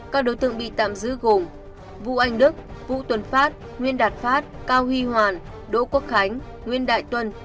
các đối tượng bị tạm giữ gồm vũ anh đức vũ tuần phát nguyên đạt phát cao huy hoàn đỗ quốc khánh nguyên đại tuần